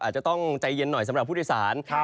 อาจจะต้องใจเย็นหน่อยสำหรับผู้โดยสาร